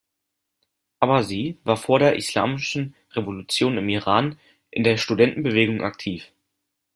Abbasi war vor der Islamischen Revolution im Iran in der Studentenbewegung aktiv.